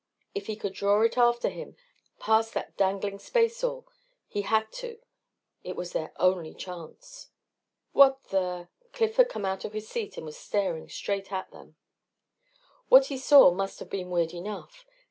If he could draw it after him, past that dangling spaceall.... He had to it was their only chance. "What the...." Cliff had come out of his seat and was staring at them. What he saw must have been weird enough.